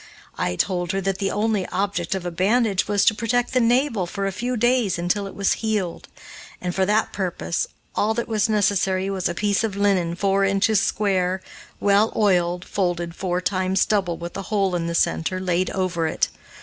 I told her that the only object of a bandage was to protect the navel, for a few days, until it was healed, and for that purpose all that was necessary was a piece of linen four inches square, well oiled, folded four times double, with a hole in the center, laid over it.